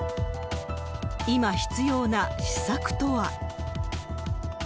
今、必要な施策とは。